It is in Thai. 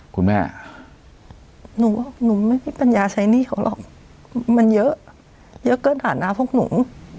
คุณแม่หนูไม่มีปัญญาใช้หนี้เขาหรอกมันเยอะเยอะเกินฐานะพวกหนู